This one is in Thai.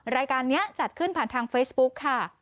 รายการนี้จัดขึ้นผ่านทางเฟซบุ๊กค่ะ